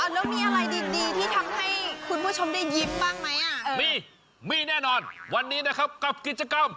แล้วมีอะไรดีที่ทำให้คุณผู้ชมได้ยิ้มบ้างไหมมีมีแน่นอนวันนี้นะครับกับกิจกรรม